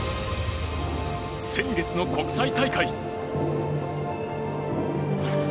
先月の国際大会。